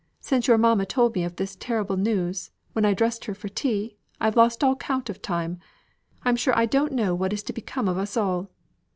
"Since your mamma told me this terrible news, when I dressed her for tea, I've lost all count of time. I'm sure I don't know what is to become of us all.